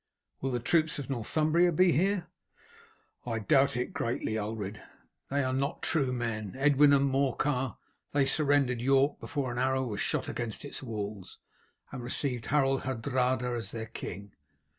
"Will the troops of Northumbria be here?" "I doubt it greatly, Ulred. They are not true men, Edwin and Morcar; they surrendered York before an arrow was shot against its walls, and received Harold Hardrada as their king.